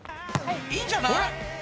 いいんじゃない？